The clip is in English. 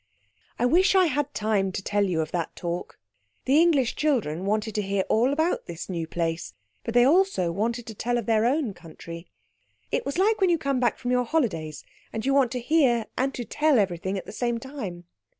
I wish I had time to tell you of that talk. The English children wanted to hear all about this new place, but they also wanted to tell of their own country. It was like when you come back from your holidays and you want to hear and to tell everything at the same time.